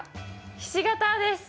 ひし形です。